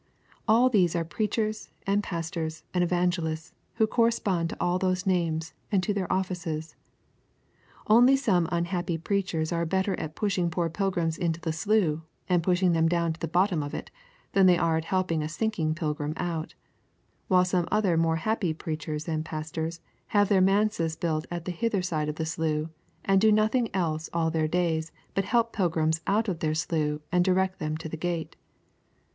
All these are preachers and pastors and evangelists who correspond to all those names and all their offices. Only some unhappy preachers are better at pushing poor pilgrims into the slough, and pushing them down to the bottom of it, than they are at helping a sinking pilgrim out; while some other more happy preachers and pastors have their manses built at the hither side of the slough and do nothing else all their days but help pilgrims out of their slough and direct them to the gate.